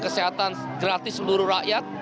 kesehatan gratis seluruh rakyat